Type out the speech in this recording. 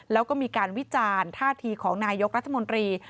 แล้วก็มีการวิจารณ์ท่าทีของนายกรัฐมนตรี